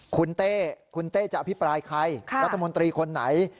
คุณเต้คุณเต้จะอภิปรายใครรัฐมนตรีคนไหน